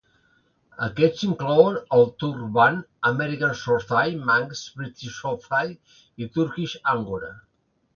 Aquests inclouen el turc Van, American Shorthair, Manx, British Shorthair i Turkish Angora.